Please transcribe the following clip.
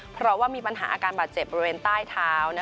เพราะว่ามีปัญหาอาการบาดเจ็บบริเวณใต้เท้า